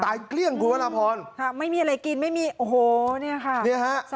ตายเกลี้ยงกุฎาพรครับไม่มีอะไรกินไม่มีโอ้โหเนี่ยค่ะ